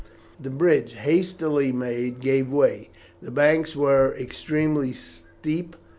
The bridge, hastily made, gave way. The banks were extremely steep.